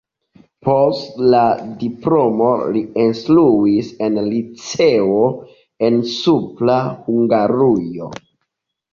Post la diplomo li instruis en liceo en Supra Hungarujo.